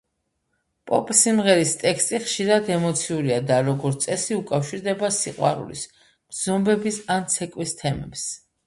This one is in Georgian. პოპ სიმღერის ტექსტი ხშირად ემოციურია და როგორც წესი, უკავშირდება სიყვარულის, გრძნობების ან ცეკვის თემებს.